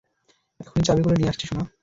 এখুনি চাবিগুলো নিয়ে আসছি, সোনা।